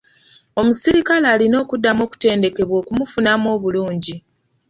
Omuserikale alina okuddamu okutendekebwa okumufunamu obulungi.